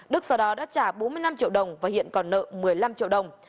đức sau đó đã trả bốn mươi năm triệu đồng và hiện còn nợ một mươi năm triệu đồng